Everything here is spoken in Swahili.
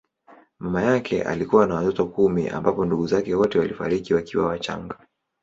Mama yake alikuwa na watoto kumi ambapo ndugu zake wote walifariki wakiwa wachanga.